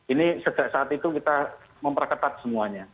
ini sejak saat itu kita memperketat semuanya